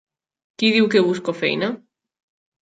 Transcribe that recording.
Qui diu que busco feina?